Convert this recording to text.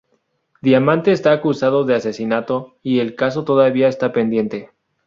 Diamante está acusado de asesinato, y el caso todavía está pendiente.